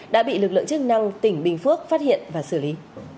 đã bị lực lượng chức năng tỉnh bình phước phát hiện và xử lý